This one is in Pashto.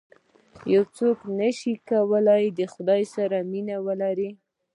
یو څوک نه شي کولای د خدای سره مینه ولري.